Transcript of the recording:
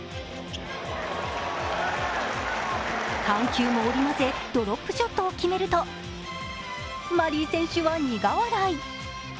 緩急も織り交ぜドロップショットを決めると、マリー選手は苦笑い。